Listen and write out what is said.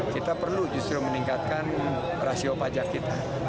kita perlu justru meningkatkan rasio pajak kita